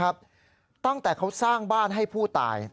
ตั้งแต่เขาสร้างบ้านให้ผู้ตาย